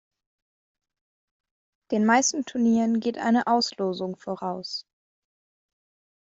Den meisten Turnieren geht eine Auslosung voraus.